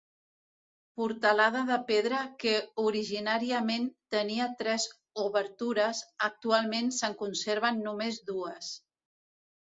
Portalada de pedra que originàriament tenia tres obertures, actualment se'n conserven només dues.